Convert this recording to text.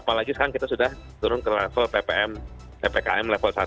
apalagi sekarang kita sudah turun ke level ppkm level satu